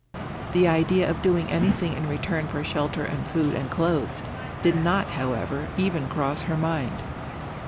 The idea of doing any thing in return for shelter and food and clothes, did not, however, even cross her mind.